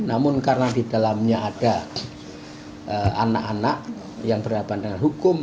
namun karena di dalamnya ada anak anak yang berhadapan dengan hukum